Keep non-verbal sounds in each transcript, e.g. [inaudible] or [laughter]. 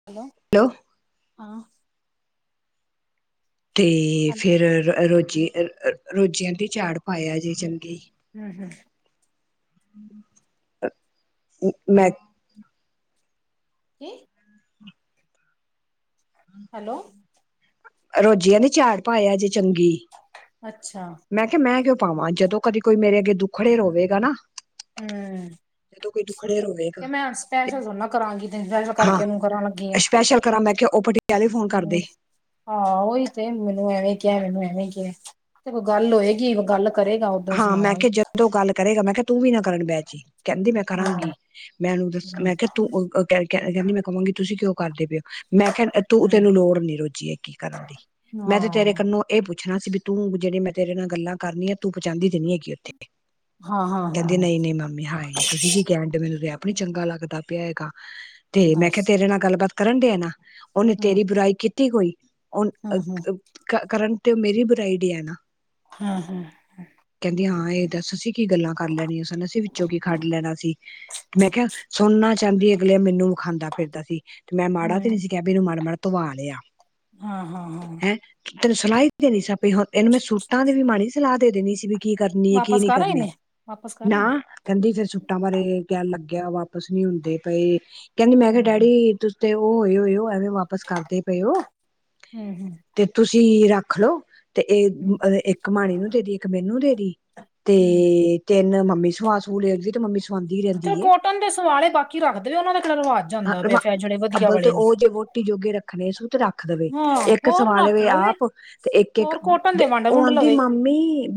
Hello. Hello. ਹਾਂ। ਤੇ ਫੇਰ ਅ ਰੋਜੀ ਅ ਰੋਜੀ ਐਹਂਦੀ ਝਾੜ ਪਾਇਆ ਜੇ ਚੰਗੀ ਹੂੰ ਹੂੰ ਮੈਂ ਕੀ ਹੈਲੋ। ਰੋਜ਼ੀ ਐਨ ਦੀ ਚਾੜ ਪਾਇਆ ਜੇ ਚੰਗੀ। ਅੱਛਾ। ਮੈਂ ਕਿਹਾ ਮੈਂ ਕਿਉਂ ਪਾਵਾਂ ਜਦੋਂ ਕਦੀ ਕੋਈ ਮੇਰੇ ਅੱਗੇ ਦੁੱਖੜੇ ਹੋਵੇਗਾ ਨਾ ਹੂੰ। ਜਦੋਂ ਕੋਈ ਦੁੱਖੜੇ ਰੋਏਗਾ ਤੇ ਥੋੜੀ ਨਾ ਕਰਾਂਗੀ ਤੇ ਸਪੈਸ਼ਲ ਹਾਂ ਕਰਕੇ ਉਹਨੂੰ ਕਰਨ ਲੱਗੀ ਆ ਸਪੈਸ਼ਲ ਕਰਾਂ ਮੈਂ ਕਿਹਾ ਉਹ ਬੜੀ ਟੈਲੀਫੋਨ ਕਰਦੀ। ਹਾਂ, ਉਹੀ ਤੇ ਮੈਨੂੰ ਐਵੇਂ ਕਿਆ, ਮੈਨੂੰ ਐਵੇਂ ਕਿਆ, ਦੇਖੋ ਕੋਈ ਗੱਲ ਹੋਏਗੀ, ਗੱਲ ਕਰੇਗਾ ਉਦੋਂ ਹਾਂ, ਮੈਂ ਸੁਣਾਵਾਂਗੀ ਕਿਹਾ ਜਦ ਓ ਗੱਲ ਕਰੇਗਾ, ਮੈਂ ਕਿਹਾ ਤੂੰ ਵੀ ਨਾ ਕਰਨ ਬਹਿਜੀ। ਕਹਿੰਦੀ ਮੈਂ ਕਰਾਂਗੀ। ਹਾਂ ਮੈਂ ਓਨੁ--ਦੱਸ ਮੈਂ ਕਿਹਾ ਤੂੰ, ਅ ਕ ਕਹਿੰਦੀ ਮੈਂ ਕਵਾਂਗੀ, ਤੁਸੀਂ ਕਿਉਂ ਕਰਦੇ ਪਓ ਮੈਂ, ਕ ਤੂੰ, ਹਮ ਤੈਨੂੰ ਲੋੜ ਨੀ ਰੋਜ਼ੀ ਅੱਗੇ ਕਰਨ ਦੀ, ਮੈਂ ਤੇ ਤੇਰੇ ਕੰਨੋ ਇਹ ਪੁੱਛਣਾ ਸੀ, ਵੀ ਤੂੰ ਜਿਹੜੇ ਮੈਂ ਤੇਰੇ ਨਾਲ ਗੱਲਾਂ ਕਰਨੀਆਂ ਤੂੰ ਪਹੁਚਾਂਦੀ ਤੇ ਨੀ ਐ ਥੇ ਹਾਂ ਹਾਂ ਹਾਂ ਕਹਿੰਦੀ ਹਾਂ ਨਈ-ਨਈ ਮਾਮੀ ਹਾਏ। ਤੁਸੀਂ ਕੀ ਕਿਆ ਡੇਵੀਲ ਮੈਨੂੰ ਤੇ ਆਪ ਨੀ ਚੰਗਾ ਲੱਗਦਾ ਪਿਆ ਹੈਗਾ, ਤੇ ਮੈਂ ਦੱਸ ਕਿਹਾ, ਤੇਰੇ ਨਾਲ ਗੱਲਬਾਤ ਕਰਨ ਡਿਆ ਨਾ, ਉਹਨੇ ਹਮ ਤੇਰੀ ਬੁਰਾਈ ਕੀਤੀ ਕੋਈ, ਉਹਨ ਹਮ ਹਮ ਅ ਕ, ਕਰਨ ਤੇ ਓ ਮੇਰੀ ਬੁਰਾਈ ਦਿਆ ਨਾ। ਹੂੰ, ਹੂੰ। ਕਹਿੰਦੀ ਹਾਂ, ਇਹ ਦੱਸ ਅਸੀ ਕੀ ਗੱਲਾਂ ਕਰ ਲੈਣੀਆ ਸਨ, ਅਸੀ ਵਿੱਚੋਂ ਕੀ ਖੱਟ ਲੈਣਾ ਸੀ, ਮੈਂ ਕਿਹਾ ਸੁਣਨਾ ਚਾਂਦੀ ਅਗਲਿਆਂ ਮੈਨੂੰ ਵਿਖਾਂਦਾ ਫਿਰਦਾ ਸੀ, ਤੇ ਮੈਂ ਮਾੜਾ ਤੇ ਨੀ ਹਮ ਸੀ ਕਿਆ, ਵੀ ਇਹਨੁ ਮਾੜਾ-ਮਾੜਾ ਧਵਾਲਿਆ। ਹਾਂ-ਹਾਂ-ਹਾਂ। ਤੈਨੂੰ ਸਲਾਹੀ ਦੇਣੀ ਸੀ ਆਪੀ ਹੋਰ, ਇਹਨੂੰ ਮੈਂ ਸੂਟਾਂ ਦੀ ਵੀ ਮਾੜੀ ਜੀ ਸਲਾਹ ਦੇ ਦੀਣੀ ਸੀ, ਵੀ। ਕੀ ਕਰਨੀ ਏ, ਕੀ ਵਾਪਸ ਨੀ ਕਰ ਆਏ ਕਰਨੀ, ਨੇ ਵਾਪਸ ਕਰ ਆਏ ਨੇ ਨਾਂ। ਕਹਿੰਦੀ ਫੇਰ ਸੁੱਟਾਂ ਬਾਰੇ ਕਹਿਣ ਲੱਗਿਆ ਵਾਪਸ ਨੀ ਹੁੰਦੇ ਪਏ, ਕਹਿੰਦੀ ਮੈਂ ਕਿਹਾ ਹਮ ਡੈਡੀ ਤੁਸ ਤੇ, ਉਹ ਹੋਏ-ਹੋਏ ਐਵੇਂ ਵਾਪਸ ਕਰਦੇ ਪਏ ਓ। ਹਮ ਹਮ ਤੇ ਤੁਸੀਂ ਰੱਖਲੋ, ਤੇ ਇਹ, ਹਮ ਇੱਕ ਮ੍ਹਾਣੀ ਨੂੰ ਦੇਦੀਂ, ਇੱਕ ਮੈਨੂੰ ਦੇ ਦੀ। ਤੇ, ਹਮ ਤਿੰਨ ਮੰਮੀ ਸੁਵਾ-ਸੂਵੇ ਲਿਓ ਫਿਰ ਤੇ ਮੰਮੀ ਸਵਾਉਂਦੀ ਚਲ ਰਹਿੰਦੀ ਏ ਕੋਟਨ ਦੇ ਸਵਾਲੇ ਬਾਕੀ ਰੱਖ ਦਵੇ, ਉਹਨਾਂ ਦਾ ਕਿਹੜਾ ਰਿਵਾਜ ਜਾਂਦਾ ਪਿਆ ਫ--ਜਿਹੜੇ ਵਧੀਆ ਵਾਲੇ ਨੇ। ਟੀ ਜੋਗੇ ਰੱਖਣੇ ਸੂ ਤੇ ਰੱਖ ਦਵੇ, ਹਾਂ ਇੱਕ ਹੋਰ ਰੱਖ ਸੰਵਾਲਵੇ ਲਵੇ ਆਪ, ਤੇ ਇੱਕ-ਇੱਕ ਹੋਰ ਕੋਟਨ ਦੇ ਤੇ ਵੰਡ ਉਹ ਵੁੰਡ ਆਂਦੀ ਲਵੇ 'ਮਾਮੀ!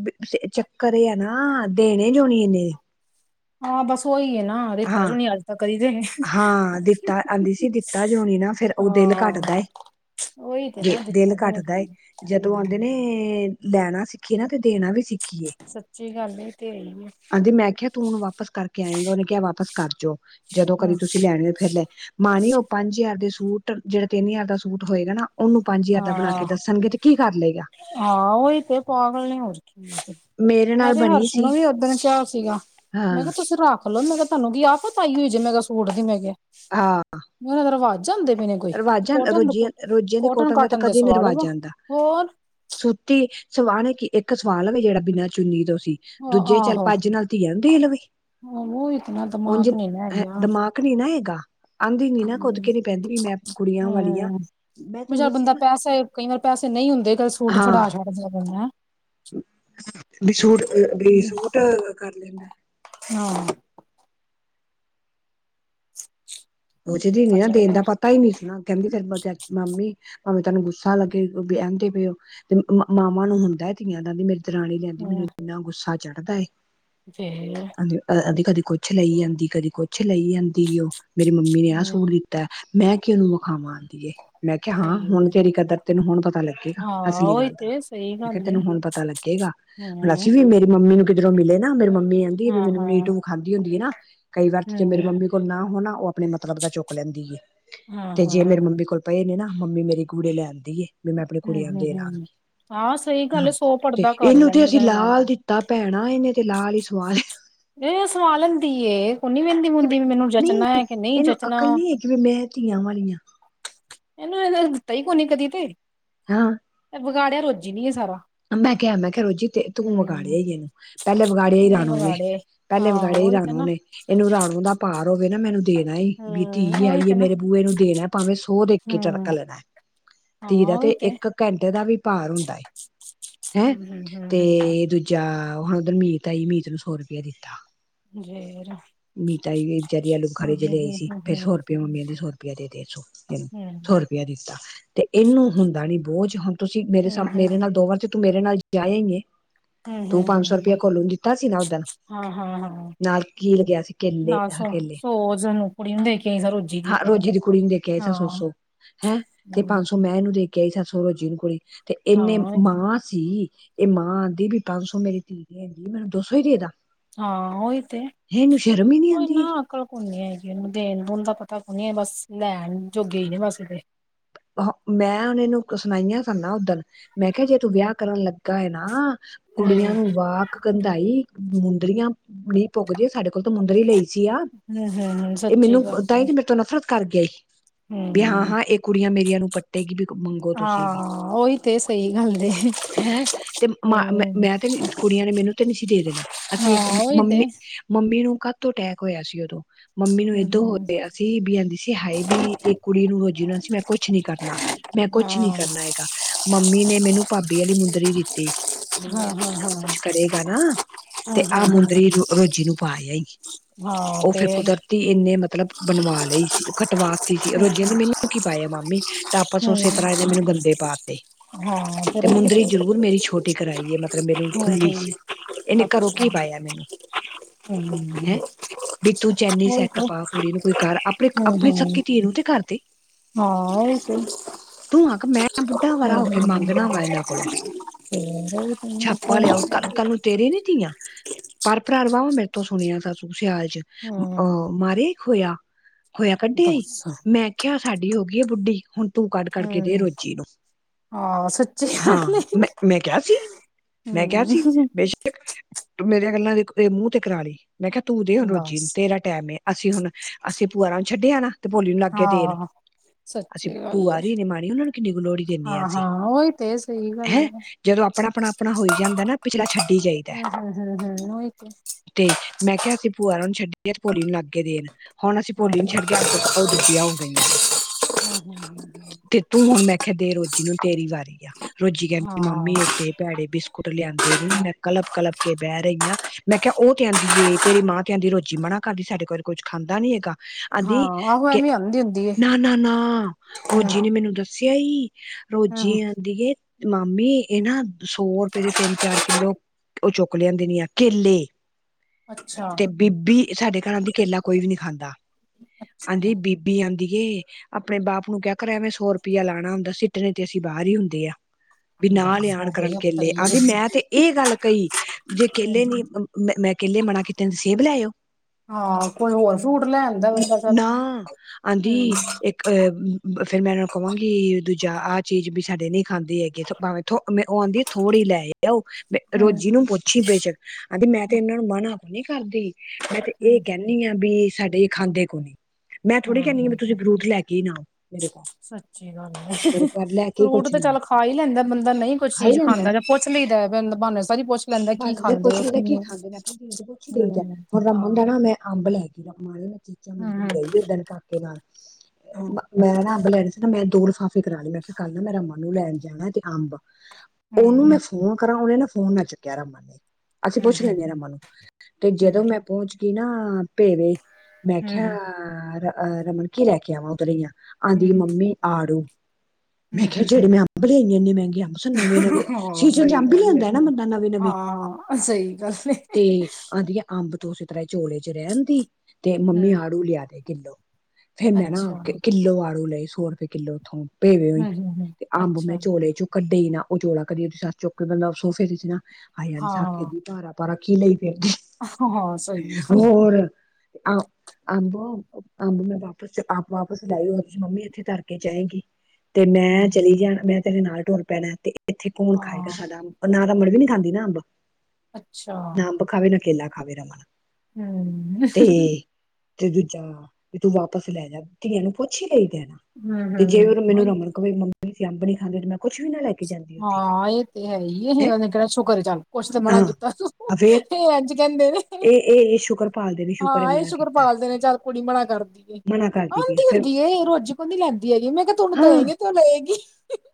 ਚੱਕਰ ਇਹ ਆ ਨਾ ਦੇਣੇ ਜੋ ਨਹੀ ਇਹਣੇ। ਹਾਂ, ਬਸ ਉਈ ਏ ਨਾ। ਦਿੱਤਾ ਹਾਂ, ਜੋ ਨੀ ਅੱਜ ਤੱਕ ਕਦੀ ਤੇ ਹਾਂ ਦਿੱਤਾ ਆਹਂਦੀ ਸੀ ਦਿੱਤਾ ਜੋ ਨੀ ਨਾ, ਫਿਰ ਉਹ ਦਿਲ ਹਾਂ ਘੱਟਦਾ ਏ। ਉਹੀ ਤੇ ਜ ਨਾ ਦਿਲ ਦਿੱਤਾ ਜੋ ਨੀ ਘੱਟਦਾ ਕਦੀ ਏ, ਜਦੋਂ ਆਂਦੇ ਨੇ ਹਮ ਲੈਣਾ ਸੀ ਸਿੱਖੀਏ ਨਾ, ਤੇ ਦੇਣਾ ਵੀ ਸਿੱਖੀਏ। ਸੱਚੀ ਗੱਲ ਏ, ਤੇ ਤੇ, ਮੈਂ ਅਖਿਆ ਤੂੰ ਹੁਣ ਵਾਪਿਸ ਕਰਕੇ ਆਏਂਗਾ, ਉਹਨੇ ਕਿਹਾ ਵਾਪਸ ਕਰ ਜਾਓ। ਜਦੋਂ ਹੈ ਕਦੀ ਤੁਸੀਂ ਲੈਣੇ ਹੋ ਫਿਰ ਲੈ ਮਾਨੀ ਉਹ ਪੰਜ-ਹਜ਼ਾਰ ਦੇ ਸੂਟ ਹਨ, ਜਿਹੜਾ ਤਿੰਨ-ਹਜ਼ਾਰ ਦਾ ਸੂਟ ਹੋਏਗਾ ਨਾ ਉਹਨੂੰ ਪੰਜ ਹਜ਼ਾਰ ਦਾ ਬਣਾਕੇ ਹਾਂ ਦੱਸਾਂਗੀ, ਤੇ ਕੀ ਕਰ ਲੇਗਾ? ਹਾਂ, ਉਹੀ ਤੇ ਪਾਗਲ ਨੇ ਹੋਰ ਕੀ। ਮੇਰੇ ਮੈਂ ਨਾਲ ਤੇ ਬਣੀ ਹਰਸ਼ ਸੀ ਨੂੰ ਵੀ ਓਦਨ ਕਿਹਾ ਸੀਗਾ, ਹਾਂ ਮੈਂ ਕਿਹਾ ਤੁਸੀ ਰਾ ਖਲੋ ਮੈਂ ਕਿਹਾ ਤੁਾਨੂੰ ਕੀ ਆਫਤ ਆਈ ਹੋਈ, ਜਿੰਨਾ ਦਾ ਸੂਟ ਸੀ ਮੈਂ ਕਿਹਾ। ਹਾਂ। ਓਹਨਾਂ ਦੇ ਰ੍ਹਵਾਜ਼ ਚੱਲਦੇ ਪਏ ਨੇ, ਕੋਈ? ਰਿਵਾਜ਼ਾਂ ਕੋਟਨ ਰੋਜ਼ੀਆਂ ਰੋਜ਼ੀਆਂ ਦੇ ਕੋਟਨ ਦਾ ਕੋਟਨ-ਕਾਟਨ ਦੇ ਸਵਾ ਲਵੋ। ਹੋਰ ਜੋੱਤੀ ਸਵਾਣੇ ਕਿ? ਇੱਕ ਸਵਾਂਲਵੇ, ਜਿਹੜਾ ਬਿਨਾ ਚੁੰਨੀ ਤੋਂ ਸੀ। ਦੂਜੇ ਚੱਲ ਆਹੋ ਭੱਜ ਨਾਲ, ਧੀਆਂ ਨ ਦੇ ਲਵੇ। ਉਹ ਇਤਨਾ ਉਝ, ਦਿਮਾਗ ਨੀ ਲੈ ਗਿਆ ਦਿਮਾਗ ਨਹੀਂ ਨਾ ਹੈਗਾ। ਆਂਦੀ ਨੀ ਨਾ, ਖੁੱਦ ਹਮ ਕੇ ਨੀ ਪੈਂਦੀ, ਵੀ ਮੈਂ ਕੁੜੀਆਂ ਵਾਲੀ ਆਂ। ਹਮੇਸ਼ਾ ਬੰਦਾ ਪੈਸੇ, ਕਈ ਵਾਰ ਪੈਸੇ ਨਹੀਂ ਹੁੰਦੇ, ਕਦੇ ਸੂਟ ਹਾਂ ਫੜਾ ਛੱਡ ਜਵਾਂ [unintelligible] ਪਦਾ ਵੀ ਸੂਟ, ਗ੍ਰੀਨ ਸੂਟ ਕਰ ਲੈਂਨਾ? ਹਾਂ। ਚੀਚੀਂ ਪੁਛ ਦੀ ਨੀ ਨਾ, ਦੇਣ ਦਾ ਭਾਅ। ਪਤਾ ਈ ਨੀ ਸੀ ਨਾ, ਕਹਿੰਦੀ ਫਰ ਬ ਮਾਮੀ, ਮਾਮੀ ਤੈਨੂੰ ਗੁੱਸਾ ਲੱਗੇ ਆਂਦੇ ਪਏ ਓ ਤੇ ਮਾ, ਮਾਵਾਂ ਨੂੰ ਹੁੰਦਾ ਏ ਧੀਆਂ ਦਾ। ਨੀ ਮੇਰੀ ਦਰਾਣੀ ਕਹਿੰਦੀ ਮੈਨੂੰ ਇੰਨਾ ਗੁੱਸਾ ਚੜ੍ਹਦਾ ਏ। ਵੇਹਲੋ ਅ ਕਦੀ ਕੁੱਛ ਲਈ ਜਾਂਦੀ ਕਦੀ ਕੁਛ ਲਈ ਜਾਂਦੀ ਓ। ਮੇਰੀ ਮੰਮੀ ਨੇ ਆਹ ਸੂਟ ਹਮ ਲਿਤਾ ਮੈਂ ਕਿਉ ਉਹਨੂੰ ਵਿਖਾਵਾਂ। ਮੈਂ ਕਿਹਾ ਹਾਂ ਸਹੀ ਹੁਣ ਹੈ ਤੇਰੀ ਕਦਰ ਤੈਨੂੰ ਹੁਣ ਪਤਾ ਲੱਗੇਗਾ ਹਾਂ ਅਸਲੀ ਉਹੀ ਗੱਲ ਦਾ ਤੇ ਸਹੀ ਮੈਂ ਗੱਲ ਕਿਹਾ ਹੈ ਤੈਨੂੰ ਹੁਣ ਪਤਾ ਲੱਗੇਗਾ, ਹੁਣ ਹਮ ਅਸੀਂ ਵੀ ਮੇਰੇ ਮੰਮੀ ਨੂੰ ਕਿੱਧਰ ਮਿਲੇ ਨਾ ਮੇਰੀ ਮੰਮੀ ਕਹਿੰਦੀ ਹੈ ਵੀ ਹਾਂ ਮੈਨੂੰ ਹਾਂ ਨੀਟੂ ਵਿਖਾਉਂਦੀ ਹੁੰਦੀ ਨਾ ਕਈ ਵਾਰ ਤਾਂ ਜੇ ਮੇਰੀ ਹਮ ਮੰਮੀ ਕੋਲ ਨਾ ਹੋ ਨਾ ਉਹ ਆਪਣੇ ਮਤਲਬ ਦਾ ਚੁੱਕ ਲੈਂਦੀ ਏ, ਹਾਂ ਤੇ ਹਾਂ ਜੇ ਹਾਂ ਮੇਰੇ ਮੰਮੀ ਕੋਲ ਪਏ ਨੇ ਨਾ ਮੰਮੀ ਮੇਰੀ ਗੂੜੇ ਲੈਣਦੀ ਏ ਵੀ ਮੈਂ ਆਪਣੇ ਹਮ ਕੁੜੀਆਂ ਨੂੰ ਹਮ ਦੇਣਾ ਹਮ ਹਾਂ ਸਹੀ ਗੱਲ ਸੌ ਤੇ ਪੜਦਾ ਕਾਜ ਇਹਨੂੰ ਤੇ ਅਸੀਂ ਲੈਂਦੀਆਂ ਨੇ ਮਾਵਾਂ ਲਾਲ ਦੀ ਤਾਂ ਭੈਣ ਇਹਨੇ ਤੇ ਲਾਹ ਹੀ ਸਵਾਦ ਨਹੀਂ ਸਵਾ ਲੈਂਦੀ ਏ ਕੁ ਨੀ ਵਹਿੰਦੀ ਤੇ ਵਹੰਦੀ ਵੀ ਮੈਨੂੰ ਜੱਚਣਾ ਕਿ ਨਹੀਂ ਜੱਚਣਾ ਕਿਵੇ ਮੈਂ ਧੀਆਂ ਵਾਲੀਆਂ ਇਹਨ ਤਈ ਕੋ ਨ ਕਦੀ ਤੇ ਹਾਂ ਵਿਗਾੜਿਆ ਰੋਜ਼ੀ ਨੀ ਹੈ ਸਾਰਾ ਮੈਂ ਕਿਹਾ ਮੈਂ ਕਿਹਾ ਰੋਜ਼ੀ ਤੇ ਤੂੰ ਵਿਗਾੜਿਆ ਹੂੰ ਈ ਇਹਨੂੰ, ਪਹਿਲੇ ਵਿਗਾੜਿਆ ਹੀ ਇਹਨੇ ਰਾਣੋ ਨੇ ਵਿਗਾੜਿਆ ਏ। ਪਹਿਲੇ ਵਿਗਾੜੇ ਆਹੋ ਹੀ ਉਹੀ ਤੇ ਰਾਣੂ ਨਾ ਨੇ, ਇਹਨੂੰ ਰਾਣੂ ਦਾ ਭਾਰ ਹੋਵੇ ਨਾ ਮੈਨੂੰ ਦੇਣਾ ਈ ਵੀ ਧੀ ਹੂੰ ਉਹੀ ਤੇ ਆਈਏ ਨਾ ਮੇਰੇ ਬੂਹੇ ਨੂੰ ਦੇਣਾ ਭਾਵੇਂ ਸੋ ਦੇਖ ਕੇ ਚੜਕ ਹੂੰ ਲੈਣਾ ਧੀ ਦਾ ਹਾਂ ਤੇ ਇੱਕ ਘੰਟੇ ਦਾ ਵੀ ਭਾਰ ਹੁੰਦਾ ਹੈ ਹੂੰ ਹੈਂ ਹੂੰ ਹੂੰ ਤੇ ਹੂੰ ਦੂਜਾ ਹੁਣ ਉਧਰ ਮੀਤ ਆਈ ਮੀਤ ਨੂੰ ਸੌ ਰੁਪਇਆ ਦਿੱਤਾ ਜੈ ਰਾਮ ਮੀਤ ਆਈ ਬੇਚਾਰੀ ਆਲੂ ਬੁਖਾਰੇ ਚ ਲਿਆਈ ਸੀ ਫਿਰ ਸੌ ਰੁਪਇਆ ਮੰਮੀਆਂ ਕਹਿੰਦੀ ਸੌ ਰੁਪਇਆ ਦੇ ਸੋ ਹਮ ਸੋ ਰੁਪਇਆ ਦਿੱਤਾ ਤੇ ਇਹਨੂੰ ਹੁੰਦਾ ਨੀ ਬੋਝ ਹੁਣ ਤੁਸੀਂ ਮੇਰੇ ਹੂੰ ਸ ਮੇਰੇ ਨਾਲ ਹੂੰ ਦੋ ਵਾਰ ਤੂੰ ਮੇਰੇ ਨਾਲ ਜਾਂਏਗੇ ਤੂੰ ਹੂੰ ਪੰਜ ਸੌ ਰੁਪਇਆ ਹੂੰ ਕੋਲੋਂ ਦਿੱਤਾ ਸੀ ਨਾ ਓਦਣ, ਹਾਂ ਹਾਂ ਹਾਂ ਨਾਲ ਕੀਲ ਗਿਆ ਸੀ ਕੇਲੇ ਨਾ ਆ ਸੋ ਕੇਲੇ, ਸੋਜ ਨੂੰ ਕੁੜੀ ਨੂੰ ਦੇ ਕੇ ਆਈ ਸਾਂ ਰੋਜੀ ਹਾਂ ਰੋਜ਼ੇ ਦੀ ਕੁੜੀ ਨੂੰ ਦੇ ਕੇ ਆ ਹਾਂ ਸੀ ਸੋ ਹੂੰ -ਸੋ ਹੈਂ ਤੇ ਹਾਂ ਪੰਜ ਸੌ ਮੈਂ ਇਹਨੂੰ ਦੇ ਕੇ ਆਈ ਸੱਤ ਸੌ ਰੋਜੀ ਦੀ ਕੁੜੀਨੂੰ ਤੇ ਇਨੇ ਮਾਂ ਸੀ ਇਹ ਮਾਂ ਆਉਂਦੀ ਵੀ ਪੰਜ ਸੌ ਮੇਰੀ ਧੀ ਦੇ ਆਦੀ ਮੈਨੂੰ ਦੋ ਸੌ ਈ ਦੇ ਦਾ ਹਾਂ ਉਹੀ ਤੇ ਇਹਨੂੰ ਸ਼ਰਮ ਹੀ ਨਹੀਂ ਕੋਈ ਨਾ ਆਉਂਦੀ ਹੈਗੀ ਅਕਲ ਕੋਣ ਹੈਗੀ ਇਹਨੂੰ ਦੇਣ ਦਣ ਦਾ ਪਤਾ ਕੁ ਹੈ ਬਸ ਲੈਣ ਜੋਗੇ ਹੀ ਨੇ ਬਸਦੇ ਮੈਂ ਉਹਨੇ ਨੂੰ ਸੁਣਾਈਆਂ ਸਾ ਉੱਦਣ, ਮੈਂ ਕਿਹਾ ਜੇ ਤੂੰ ਹਮ ਵਿਆਹ ਕਰਨ ਲੱਗਾ ਨਾ ਕੁੜੀਆਂ ਹਮ ਨੂੰ ਵਾਹਕ ਕੰਧਾਈ ਮੁੰਦਰੀਆਂ ਨ ਭੁਗਦੀ ਸਾਡੇ ਕੋਲ ਤਾਂ ਮੁੰਦਰੀ ਲਈ ਸੀ ਆ ਹਮ ਹਮ ਇਹ ਸੱਚੀ ਮੈਨੂੰ ਗੱਲ ਤਾਂ ਹੀ ਏ ਕਿ ਮੇਰੇ ਤੋਂ ਨਫ਼ਰਤ ਕਰਕੇ ਆਈ ਹਮ ਮੇਰੀਆਂ ਨੂੰ ਪੱਟੇਗੀ ਵੀ ਮੰਗੋ ਤੁਸੀਂ, ਹਾਂ ਉਹੀ ਤੇ ਸਹੀ ਗੱਲ ਏ ਹੈਂ ਤੇ ਮ ਮੈਂ ਹਮ ਮੈਂ ਤੇ ਕੁੜੀਆਂ ਨੇ ਮੈਨੂੰ ਤੇ ਨਹੀਂ ਸੀ ਦੇ ਦੇਣਾ, ਅਸੀਂ ਹਾਂ ਉਹੀ ਤੇ ਮੰਮੀ ਮੰਮੀ ਨੂੰ ਕਦ ਤੋਂ ਅਟੈਕ ਹੋਇਆ ਸੀ ਉਦੋਂ ਮੰਮੀ ਨੂੰ ਹਮ ਏਦੋਂ ਹਮ ਹੋਇਆ ਸੀ ਵੀ ਆਂਦੀ ਸੀ ਹਾਏ ਵੀ ਇਹ ਕੁੜੀ ਨੂੰ ਰੋਜ਼ ਨਾਲ ਸੀ ਮੈਂ ਕੁਛ ਨੀ ਕਰਨਾ, ਮੈਂ ਕੁਛ ਹਾਂ ਨੀ ਕਰਨਾ ਹੈਗਾ ਮੰਮੀ ਨੇ ਮੈਨੂੰ ਭਾਬੀ ਵਾਲੀ ਮੁੰਦਰੀ ਦਿੱਤੀ ਹਾਂ ਹਾਂ ਨਵਾਂ ਕੁਛ ਹਾਂ ਕਰੇਗਾ ਨਾ ਤੇ ਹਮ ਆਹ ਹਮ ਹਮ ਮੁੰਦਰੀ ਰ ਰੋਜ਼ੀ ਨੂੰ ਪਾ ਆਈ ਹੀ ਹਾਂ ਉਹ ਫਿਰ ਫੇਰ ਕੁਦਰਤੀ ਇੰਨੇ ਮਤਲਬ ਬਣਵਾ ਲਈ ਸੀ ਕਟਵਾ ਤੀ ਸੀ ਹਮ ਰੋਜ਼ਿਆਂ ਦੀ ਮੈਨੂੰ ਕੀ ਪਾਇਆ ਮਾਮੀ ਟਾਪਸ ਉਸੇ ਤਰ੍ਹਾਂ ਇਹਨੇ ਮੈਨੂੰ ਗੰਦੇ ਪਾਤੇ ਹਾਂ ਫੇਰ ਤੇ ਉਹੀ ਮੁੰਦਰੀ ਜ਼ਰੂਰ ਮੇਰੀ ਛੋਟੀ ਕਰਾਈ ਹੈ ਮਤ ਮੈਨੂੰ ਹਮ ਖੁੱਲੀ ਹਮ ਸੀ ਇਹਨੇ ਘਰੋਂ ਕੀ ਅੱਛਾ ਪਾਇਆ ਮੈਨੂੰ ਹੈਂ ਹਮ ਵੀ ਤੂੰ ਚੈਨੀ ਉਹੀ ਸੈੱਟ ਤੇ ਪਾ ਕੁੜੀ ਨੂੰ ਕੋਈ ਕਰ ਆਪਣੇ ਹਮ ਆਪਣੀ ਹਮ ਸਕੀ ਧੀ ਨੂੰ ਤੇ ਕਰਦੇ ਹਾਂ ਇਹ ਤੇ ਤੂੰ ਆਖ ਮੈਂ। ਬੁੱਢਾ ਵਾਰਾ ਹੋ ਹਮ ਕੇ ਹਮ ਮੰਗਣਾ ਵਾ ਇਹਨਾਂ ਕੋਲੋਂ ਫੇਰ ਛਾਪਾ ਲਿਆਓ ਉਹੀ ਤੇ ਕੱਲ ਕੱਲ ਨੂੰ ਤੇਰੇ ਨਹੀ ਧੀਆਂ। ਪਰ ਭਰਾ ਵਾਹਵਾ ਮੇਰੇ ਤੋਂ ਸੁਣਿਆ ਸਸੂ ਸਿਆਲ ਚ ਹਮ ਅਹ ਮਾਰੇ ਹੋਇਆ। ਹੋਇਆ ਕੱਢਿਆਈ ਦੱਸ ਮੈਂ ਕਿਹਾ ਆ ਸਾਡੀ ਹੋ ਗਈ ਆ ਬੁੱਢੀ ਹੁਣ ਤੂੰ ਕੱਢ ਕੱਢ ਕੇ ਦੇ ਹਮ ਰੋਜ਼ੀ ਨੂੰ। ਆਹ ਸੱਚੀ ਹਾਂ ਗੱਲ ਏ ਮੈਂ ਮੈਂ ਕਿਹਾ ਸੀ ਮੈਂ ਕਿਹਾ ਸੀ ਹਮ ਬੇਸ਼ੱਕ। ਤੂੰ ਮੇਰੀਆਂ ਗੱਲਾਂ ਮੂੰਹ ਤੇ ਕਰਾਲੀ ਮੈਂ ਕਿਹਾ ਤੂੰ ਦੇ ਹੁਣ ਰੋਜ਼ੀ ਦੱਸ ਨੂੰ ਤੇਰਾ ਟੈਮ ਏ। ਅਸੀਂ ਹੁਣ ਅਸੀਂ ਭੂਆ ਨੂੰ ਛੱਡਿਆ ਨਾ ਤੇ ਭੋਲੀ ਨੂੰ ਲੱਗ ਗਏ ਦੇਣ। ਹਾਂ ਅਸੀਂ ਸੱਚੀ ਗੱਲ ਭੂਆ ਏ ਰਹੀ ਨੇ ਮਾਣੀ ਉਹਨਾਂ ਨੂੰ ਕਿੰਨੀ ਕੁ ਲੋਹੜੀ ਦਿੰਦੇ ਹਾਂ ਅਸੀਂ ਉਹੀ ਤੇ ਸਹੀ ਗੱਲ ਹੈਂ। ਏ ਹਮ ਜਦੋਂ ਆਪਣਾ ਆਪਣਾ ਆਪਣਾ ਹੋਈ ਜਾਂਦਾ ਨਾ ਪਿਛਲਾ ਛੱਡੀ ਜਾਈਦਾ। ਹਾਂ ਹਾਂ ਹਾਂ ਹ ਹ ਉਹੀ ਤੇ। ਤੇ ਮੈਂ ਕਿਹਾ ਅਸੀਂ ਭੂਆਾਂ ਨੂੰ ਛੱਡੀ ਤੇ ਭੋਲੀ ਨੂੰ ਲੱਗ। ਦੇਣ ਹੁਣ ਅਸੀਂ ਹਾਂ ਭੋਲੀ ਨੀ ਛੱਡ ਕੇ ਅੱਗੋਂ ਉਹ ਦੂਜੀਆਂ ਹੋ ਗਈਆਂ ਨੇ। ਤੇ ਤੂੰ ਹੁਣ ਮੈਂ ਕਿਹਾ ਦੇ ਰੋਜ਼ੀ ਨੂੰ ਤੇਰੀ ਵਾਰੀ ਆ ਰੋਜੀ ਕਹਿੰਦੀ ਹਾਂ ਮਾਮੀ ਏਡੇ ਭੈੜੇ ਬਿਸਕੁਟ। ਕੁੱਟ ਲਿਆਦੇ ਨੇ ਮੈਂ ਕਲੱਪ ਕਲਪ ਕੇ ਬਹਿ ਰਹੀ ਹਾਂ। ਮੈਂ ਕਿਹਾ ਉਹ ਤੇ ਆਂਦੀ ਏ ਤੇਰੀ ਮਾਂ ਤੇ ਆਉਦੀ ਰੋਜ਼ੀ ਮਨਾ ਕਰਦੀ ਸਾਡੇ ਘਰ ਕੋਈ ਕੁੱਝ ਖਾਂਦਾ ਨੀ ਹੈਗਾ। ਹਾਂ ਆਂਦੀ ਆਹੋ ਕਹਿੰਦੀ। ਐਵੇਂ ਆਂਦੀ ਹੁੰਦੀ ਏ ਨਾ ਨਾ ਨਾ ਹਮ ਰੋਜ਼ ਨੇ ਮੈਨੂੰ ਦੱਸਿਆ ਹੀ ਰੋਜ਼ ਹਮ ਆਂਦੀ ਹੈ। ਮਾਮੀ ਇਹ ਨਾ ਸੌ ਰੁਪਏ ਦੇ ਤਿੰਨ ਚਾਰ ਕਿੱਲੋ। ਉਹ ਚੁੱਕ ਲਿਆਂਦੇ ਆ ਕੇਲੇ। ਅੱਛਾ ਤੇ ਬੀਬੀ ਸਾਡੇ ਘਰ ਆਦੀ ਕੇਲਾ ਕੋਈ ਵੀ ਨੀ ਖਾਂਦਾ ਆਂਦੀ ਬੀਬੀ। ਬੀਬੀ ਆਂਦੀ ਏ। ਆਪਣੇ ਬਾਪ ਨੂੰ ਕਿਹਾ ਕਰ ਐਵੇਂ ਸੌ ਰੁਪਆ ਲਾਉਣਾ ਹੁੰਦਾ ਏਦਾਂ ਤੇ ਅਸੀਂ ਬਾਹਰ ਹੀ ਹੁੰਦੇ ਆ। ਵੀ ਨਾ ਦੱਸ ਲਿਆਣ ਉਹ ਕਰਨ ਬੜੀ ਕੇਲੇ ਅਤਰੀ ਏ ਆਦੀ ਮੈਂ ਤੇ ਇਹ ਗੱਲ ਕਹੀ ਜੇ ਹਮ ਕੇਲੇ ਨੀ। ਮੈਂ ਮੈਂ ਕੇਲੇ ਮਨਾ ਕੀਤੇ ਦੀ ਸੇਬ ਲਿਆਏ ਓ। ਹਾਂ ਕੋਈ ਹੋਰ ਫਰੂਟ ਲੈ ਆਦਾ ਬੰਦਾ ਚਲ। ਨਾ ਆਂਦੀ ਇੱਕ ਫੇਰ ਮੈਂ ਉਹਨਾਂ ਨੂੰ ਕਹਾਂਗੀ ਦੂਜਾ ਆਹ ਚੀਜ਼ ਵੀ ਸਾਡੇ ਨਹੀਂ ਖਾਂਦੀ ਹੈਗੇ। ਭਾਵੇਂ ਥੋ ਮੈਂ ਉਹ ਆਉਂਦੀ ਥੋੜ੍ਹੀ ਲਏ ਆਉ। ਰੋਜ਼ੀ ਹਮ ਨੂੰ ਪੁੱਛੀ ਬੇਸ਼ੱਕ ਕਹਿੰਦੀ ਮੈਂ ਤੇ ਇਹਨਾਂ ਨੂੰ ਮਨਾ ਕੁ ਨੀ ਕਰਦੀ ਮੈਂ ਤੇ ਇਹ ਕਹਿਣਾ। ਨੀ ਆ ਵੀ ਸਾਡੇ ਖਾਂਦੇ ਕੋ ਨੀ। ਮੈਂ ਥੋੜ੍ਹੀ ਹਮ ਕਹਿੰਦੀ ਹ ਵੀ ਹਮ ਤੁਸੀਂ ਫਰੂਟ ਲੈ ਕੇ ਹੀ ਨਾ ਆਓੇ। [inaudible] ਸੱਚੀ ਗੱਲ ਹੈ ਫਰੂਟ ਤਾਂ ਨਾ ਚੱਲ ਖਾ ਹੀ ਲੈਂਦਾ ਬੰਦਾ ਨਹੀਂ ਕੁਛ ਖਾਈ ਚੀਜ਼ ਲੈਂਦਾ ਖਾਂਦਾ ਜਾਂ। ਪੁੱਛ ਲਈਦਾ ਬੰਦਾ ਬਹਾਨੇ ਸਾਰ ਪੁੱਛ ਲੈਂਦਾ ਕੀ ਬਾਂਦਰ ਖਾਂਦੇ ਪੁੱਛ ਹੋ ਕਿ ਨਹੀਂ। ਮਤਲਬ ਹਾਂ ਹੁੰਦਾ ਨਾ ਮੈਂ ਅੰਬ ਲੈ ਕੇ ਰਮਾਂ ਮੈਂ ਚੀਜਾਂ ਹਮ ਮੰਡੀ ਗਈ ਓਦਣ ਕਾਕੇ ਨਾਲ। ਹਮ ਮੈਂ ਨਾ ਅੰਬ ਲੈਣੇ ਸੀ ਨਾ ਮੈਂ ਦੋ ਲਫਾਫੇ ਕਰਾ ਲਏ ਮੈਂ ਕਿਹਾ ਕੱਲ ਨਾ ਮੈਂ ਰਮਨ ਨੂੰ ਲੈਣ ਜਾਣਾ ਤੇ ਅੰਬ। ਉਹਨੂੰ ਹਮ ਮੈਂ ਫੋਨ ਕਰਾਂ ਉਹਨੇ ਨਾ ਫੋਨ ਨਾ ਚੁੱਕਿਆ ਰਮਾ ਨੇ। ਅਸੀਂ ਹਮ ਪੁੱਛ ਹਮ ਲੈਂਦੇ ਹਾਂ ਰਮਾ ਨੂੰ ਤੇ ਹਮ ਜਦੋਂ ਮੈਂ ਪਹੁੰਚ ਗਈ ਨਾ ਭੇਵੇ। ਮੈਂ ਕਿਹਾ ਹਮ ਰਮਨ ਕੀ ਲੈ ਕੇ ਆਵਾਂ ਉੱਧਰ ਆਂਦੀ ਮੰਮੀ। ਆੜੂ, ਮੈਂ ਹਮ ਕਿਹਾ ਹਮ ਜਿਹੜੇ ਮੈਂ ਅੰਬ ਲਿਆਈ ਇਨੇ ਮਹਿੰਗੇ ਅੰਬ। ਨਵੇਂ ਨਵੇਂ ਹਾਂ ਸੀਜਨ ਚ ਸਹੀ ਅੰਬ ਗੱਲ ਹੈ ਲਿਆਂਦਾ ਨਾ ਬੰਦਾ ਨਵੇ ਨਵੇ ਹਾਂ ਸਹੀ ਗੱਲ ਹੈ ਤੇ ਆਦੀ ਆ ਅੰਬ ਚ ਉਸੇ ਤਰ੍ਹਾਂ ਝੋਲੇ ਚ ਰਹਿਣ ਦਈ ਤੇ ਮੰਮੀ ਹਮ ਆੜੂ ਲਿਆ ਦੇ ਕਿੱਲੋ। ਫੇਰ ਮੈਂ ਨਾ ਅੱਛਾ ਕਿੱਲੋ ਆੜੂ ਲਈਏ ਸੌ ਰੁਪਏ ਕਿੱਲੋ ਉੱਥੋਂ ਪੇਵੇ ਹਮ ਹੋਈ ਹਮ ਹਮ ਤੇ ਅੰਬ ਮੈਂ ਅੱਛਾ ਝੋਲੇ ਚ। ਕੱਢੇ ਈ ਨਾ ਉਹ ਝੋਲਾ ਕਰੀ ਉਹਦੀ ਸਸ ਚੁੱਕ ਬੰਦਾ ਸੋਫੇ ਦੇ ਨਾ ਆਇਆ ਨ ਸਾਖੇ ਹਾਂ ਦੀ ਭਾਰਾ। ਆਪਾ ਰੱਖੀ ਲਈ ਫਿਰਦੇ ਹਾਂ ਸਹੀ ਗੱਲ ਹੋਰ। ਹਾਂ ਮੈਂ ਵਾਪਸ ਆਪ ਵਾਪਸ ਲੈ ਜਾਓ ਤੁਸੀਂ ਮੰਮੀ ਇੱਥੇ ਧਰ ਕੇ ਜਾਏਗੀ। ਤੇ ਮੈਂ ਹਮ ਚਲੀ ਜਾਣਾ ਮੈਂ ਤੇਰੇ ਨਾਲ ਟੁਰ ਪੈਣਾ ਤੇ ਇੱਥੇ ਕੌਣ ਖਾਏਗਾ ਹਾਂ ਸਾਡਾ ਅੰਬ। ਨਾ ਰਮਣ ਵੀ ਨੀ ਖਾਂਦੀ ਨਾ ਅੰਬ। ਅੱਛਾ ਨਾ ਅੰਬ ਖਾਵੇ ਨਾ ਕੇਲਾ ਖਾਵੇ ਰਮਨ। ਹੂੰ ਤੇ ਤੇ ਦੂਜਾ ਵੀ ਤੂੰ ਵਾਪਸ ਲੈ ਜਾ ਧੀਆਂ ਨੂੰ ਪੁੱਛ ਹੀ ਲਈ ਦਾ ਐ। ਹਮ ਤੇ ਜੇ ਉਹ ਮੈਨੂੰ ਹਮ ਰਮਨ ਕਵੇ ਮੰਮੀ ਅਸੀਂ ਅਬਣੀ ਖਾਂਦੇ ਤੇ ਮੈਂ ਕੁੱਝ ਵੀ ਨਾ ਲੈ ਕੇ ਜਾਂਦੀ ਉੱਥੇ ਹਾਂ ਇਹ ਤੇ ਹੈ ਹੀ ਹੀ ਹੈਂ ਉਹਨੇ ਕਿਹੜਾ ਸ਼ੁਕਰ ਚੱਲ ਕੁੱਛ ਤੇ ਮਨਾ ਹਾਂ ਕੀਤਾ ਤੂੰ ਫੇਰ ਇਹ ਅੱਜ ਕਹਿੰਦੇ ਨੇ ਇਹ ਇਹ ਸ਼ੁਕਰ ਭਾਲਦੇ ਵੀ ਹਾਂ ਇਹ ਮਨਾ ਸ਼ੁਕਰ ਕੀਤਾ ਪਾਲਦੇ ਨੇ ਚੱਲ ਕੁੜੀ ਮਨਾ ਕਰਦੀ ਏ। ਮਨਾ ਕਰਦੀ ਪਈ ਆਉਂਦੀ ਫਿਰ ਹੁੰਦੀ ਰੋਜ਼ ਕਦੀ ਲੈਂਦੀ ਹੈਗੀ ਮੈਂ ਕਿਹਾ ਤਹਨੂੰ ਹਾਂ ਦਏਗੀ ਤੂੰ ਲਏਗੀ।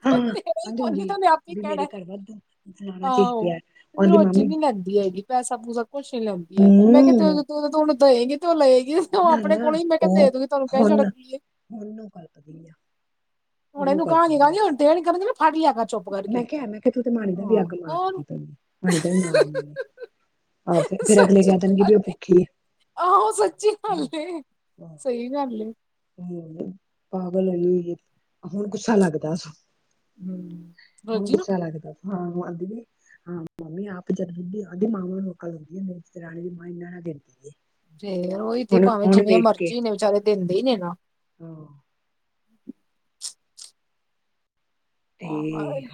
ਹਾਂ ਆਂਦੀ ਅਗੇ ਹੁੰਦੀ ਤੋ ਹੈ ਉਹਨੇ ਆਪੇ ਹੀ ਵੀ ਮੇਰੇ ਕਹਿਣਾ ਘਰ ਵਾਧੂ ਫਲਾਣਾ ਚੀਜ਼ ਆਹੋ ਪਿਆ ਉਹਦੀ ਰੋਜ਼ੀ ਮਾਮੀ ਨੀ ਲੈਂਦੀ ਹੈਗੀ। ਪੈਸਾ ਪੂਸਾ ਕੁੱਛ ਨਹੀਂ ਲੈਦੀ ਹੈਗੀ ਮੈਂ ਕਿਹਾ ਜੇ ਹੂੰ ਤੂੰ ਦਵੇਗੀ ਤੇ ਉਹ ਲਏਗੀ। ਨਾ ਆਪਣੇ ਨਾ ਕੋਲ ਹੀ ਮੈਂ ਕਿਹਾ ਉਹ ਦੇ ਦੂਗੀ ਤੁਹਾਨੂੰ ਕਹਿ ਹੁਣ ਛਡਏ ਉਹਨੂੰ ਕਲਪਦੀ ਆ ਹੁਣ ਉਹਨੂੰ ਇਹਨੂੰ ਕਹਾਣੀ ਕਲਪਦੀ ਕਣੀ ਆ ਹੁਣ ਤੇ ਕਰਨ ਮੈਂ ਕਿਹਾ ਮੈਂ ਕਿਹਾ ਤੂੰ ਤੇ ਮਾਣੀ ਦਾ ਹਾਂ ਵੀ ਅੱਗ ਮਾਰਦੀ ਹੋਰ ਪਈਦੀ ਮਾਣੀ ਦਾ ਵੀ ਮਾਰਨੇ ਆਹ ਫ ਫੇਰ ਅਗਲੇ ਸੱਚੀ ਕਹਿ ਦੇਣਗੇ ਗੱਲ ਵੀ ਉਹ ਭੁੱਖੀ ਏ। ਆਹੋ ਸੱਚੀ ਗੱਲ ਸਹੀ ਗੱਲ ਏ ਹੋਰ ਪਾਗਲਨੀ ਹੁਣ ਗੁੱਸਾ ਲੱਗਦਾ। ਹੂੰ। ਹੁਣ ਰੋਜੀ ਨਾ ਗੁੱਸਾ ਲੱਗਦਾ ਹਾਂ ਆਦੀ [unintelligible] ਫੇਰ ਉਹੀ ਤੇ ਭਾਵੇਂ ਜਿਵੇਂ ਮਰਜ਼ੀ ਨੇ ਵਿਚਾਰੇ ਦਿੰਦੇ ਹੀ ਨੇ ਨਾ। ਹਾਂ। ਤੇ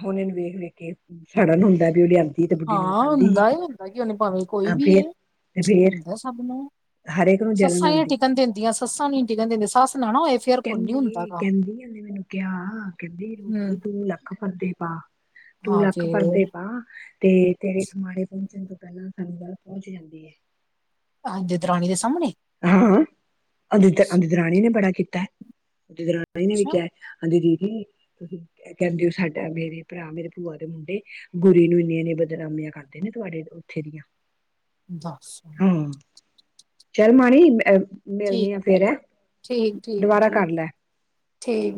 ਹੁਣ ਇਹਨੂੰ ਵੇਖ ਵੇਖ ਕੇ ਸਾੜਨ ਹੁੰਦਾ ਵੀ ਉਹ ਲਿਆਂਦਾ ਹਾਂ ਹੁੰਦਾ ਹੁੰਦਾ ਕਿ ਉਹਨੇ ਭਾਵੇਂ ਕੋਈ ਆ ਵੀ ਫੇਰ ਏ। ਤੇ ਫੇਰ ਹੁੰਦਾ ਸਭ ਨੂੰ ਹਰੇਕ ਨੂੰ ਜਲਣ ਸੱਸਾਂ ਹੀਆਂ ਆਂਦੀ ਟਿਕਣ ਦਿੰਦੀਆਂ। ਸੱਸਾ ਨੀ ਟਿਕਣ ਦਿੰਦਿਆ ਸਸ ਨਾ ਹੋਏ ਫੇਰ ਕੋਈ ਨੀ ਹੁੰਦਾ ਕਹਿੰਦੀ ਗਾ। ਕਹਿੰਦੀ ਉਹਨੇ ਮੈਨੂੰ ਕਿਹਾ ਕਹਿੰਦੀ ਰੋਜੀ ਹੂੰ। ਤੂੰ ਲੱਖ ਪਰਦੇ ਪਾ। ਤੂੰ ਹਾਂ ਲੱਖ ਪਰਦੇ ਫੇਰ ਪਾ। ਤੇ ਤੇਰੇ ਸਮਾਣੇ ਪਹੁੰਚਣ ਤੋਂ ਪਹਿਲਾਂ ਸਾਨੂੰ ਬਾਦ ਪਹੁੰਚ ਜਾਂਦੀ ਏ। ਹਾਂਜੀ ਦਰਾਣੀ ਦੇ ਸਾਹਮਣੇ ਹਾਂ ਅਦਿਤ ਦੱਸ ਅਦਿਤ ਰਾਣੀ ਨੇ ਬੜਾ ਕੀਤਾ ਅਦਿਤ ਰਾਣੀ ਨੇ ਵੀ ਅੱਛਾ ਕਿਹਾ। ਕਹਿੰਦੀ ਦੀਦੀ ਤੁਸੀਂ ਕਹਿੰਦੇ ਹੋ ਸਾਡਾ ਮੇਰੇ ਭਰਾ ਮੇਰੇ ਭੂਆ ਦੇ ਮੁੰਡੇ ਗੁਰੀ ਨੂੰ ਇੰਨੇ ਇੰਨੇ ਬਦਨਾਮੀਆਂ ਕਰਦੇ ਨੇ ਤੁਹਾਡੇ ਉੱਥੇ ਦੀਆਂ ਦੱਸ। ਹੂੰ। ਚਲ ਮਾਣੀ ਮਿਲਨੀ ਠੀਕ ਆ ਫੇਰ ਐਂ, ਠੀਕ ਠੀਕ ਦੁਬਾਰਾ ਠੀਕ ਕਰ ਲੈ। ਠੀਕ।